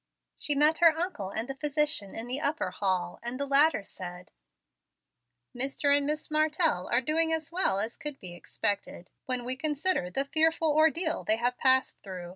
She met her uncle and the physician in the upper hall, and the latter said: "Mr. and Miss Martell are doing as well as could be expected, when we consider the fearful ordeal they have passed through.